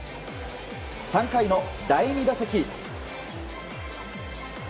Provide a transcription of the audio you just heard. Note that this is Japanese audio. ３回の第２打席。